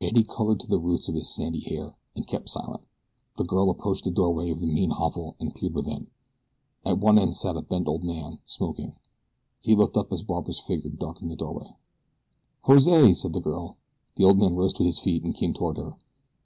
Eddie colored to the roots of his sandy hair, and kept silent. The girl approached the doorway of the mean hovel and peered within. At one end sat a bent old man, smoking. He looked up as Barbara's figure darkened the doorway. "Jose!" said the girl. The old man rose to his feet and came toward her.